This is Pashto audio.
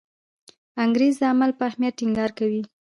انګریز د عمل په اهمیت ټینګار کوي.